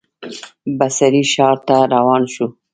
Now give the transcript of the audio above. بصرې ښار ته روان شو.